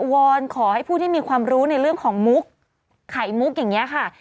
อนขอให้ผู้ที่มีความรู้ในเรื่องของมุกไข่มุกอย่างนี้ค่ะ